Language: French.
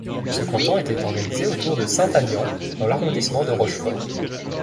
Ce canton était organisé autour de Saint-Agnant dans l'arrondissement de Rochefort.